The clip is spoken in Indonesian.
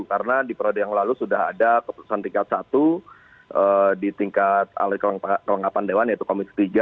karena di periode yang lalu sudah ada keputusan tingkat satu di tingkat alir kelanggapan dewan yaitu komis tiga